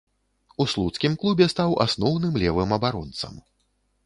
У слуцкім клубе стаў асноўным левым абаронцам.